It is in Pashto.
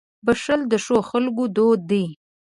• بښل د ښو خلکو دود دی.